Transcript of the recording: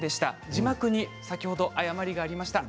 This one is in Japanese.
字幕に誤りがありました。